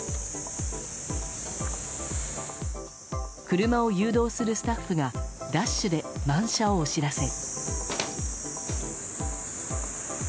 車を誘導するスタッフがダッシュで満車をお知らせ。